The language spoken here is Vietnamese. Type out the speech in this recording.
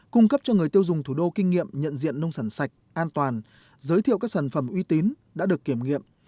cung cấp cho người tiêu dùng thủ đô kinh nghiệm nhận diện nông sản sạch an toàn giới thiệu các sản phẩm uy tín đã được kiểm nghiệm